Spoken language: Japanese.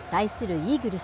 イーグルス。